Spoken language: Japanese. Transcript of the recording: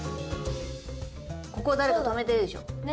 ここを誰か止めてるでしょ。ね。